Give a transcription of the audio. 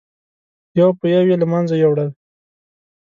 یو په یو یې له منځه یووړل.